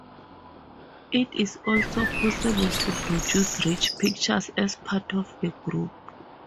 It is also possible to produce rich pictures as part of a group.